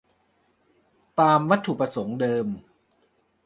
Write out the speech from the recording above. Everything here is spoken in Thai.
"ตามวัตถุประสงค์เดิม"